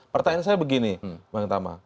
pertanyaan saya begini bang tama